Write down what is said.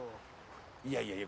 やいやいや。